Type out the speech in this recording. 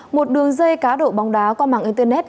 một đường dây cá độ bóng đá qua mạng internet